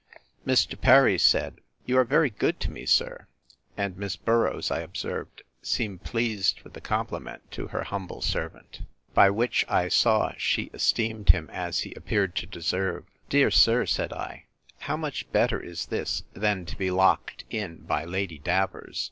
Mr. Perry said, You are very good to me, sir; and Miss Boroughs, I observed, seemed pleased with the compliment to her humble servant; by which I saw she esteemed him, as he appears to deserve. Dear sir! said I, how much better is this, than to be locked in by Lady Davers!